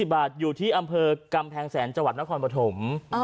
บาทอยู่ที่อำเภอกำแพงแสนจังหวัดนครปฐม